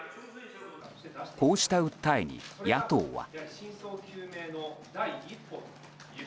こうした訴えに、野党は。